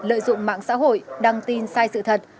lợi dụng mạng xã hội đăng tin sai sự thật